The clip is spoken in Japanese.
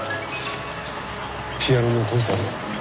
ピアノのコンサート。